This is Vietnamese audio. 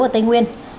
ở tây nguyên